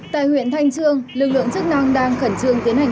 tại huyện thanh trương lực lượng chức năng đang khẩn trương tiến hành